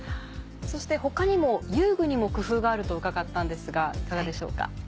そして他にも遊具にも工夫があると伺ったんですがいかがでしょうか？